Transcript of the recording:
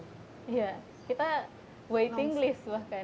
iya kita waiting list bahkan